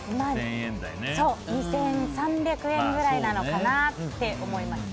２３００円くらいなのかなって思いました。